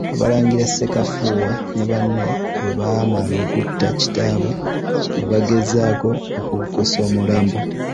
Abalangira Ssekafuuwa ne banne bwe baamala okutta kitaabwe, ne bagezaako okukukusa omulambo.